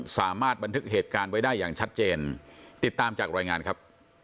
สามารถบันทึกเหตุการณ์ไว้ได้อย่างชัดเจนติดตามจากรายงานครับ